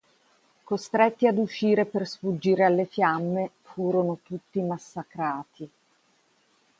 Costretti ad uscire per sfuggire alle fiamme, furono tutti massacrati.